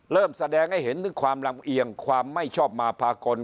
แสดงให้เห็นถึงความลำเอียงความไม่ชอบมาพากล